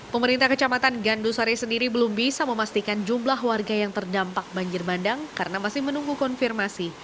pemerintah kecamatan gandusari sendiri belum bisa memastikan jumlah warga yang terdampak banjir bandang karena masih menunggu konfirmasi